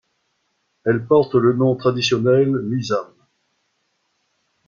Elle porte le nom traditionnel Misam.